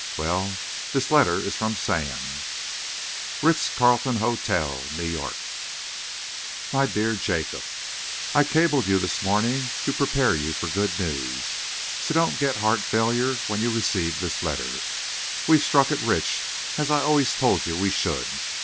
Well, this letter is from Sam:" Ritz Carlton Hotel, New York. My dear Jacob, I cabled you this morning to prepare for good news, so don't get heart failure when you receive this letter. We've struck it rich, as I always told you we should.